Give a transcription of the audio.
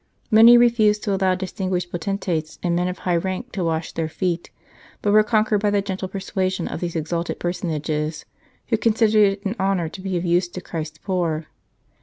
Many refused to allow distinguished potentates and men of high rank to wash their feet, but were conquered by the gentle persuasion of these exalted personages, who con sidered it an honour to be of use to Christ s poor.